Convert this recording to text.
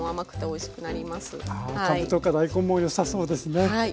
あかぶとか大根もよさそうですね。